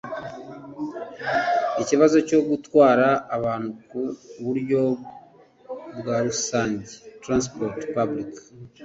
Ikibazo cyo gutwara abantu ku buryo bwa rusange (transport public)